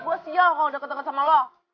gue siap kalau deket deket sama lo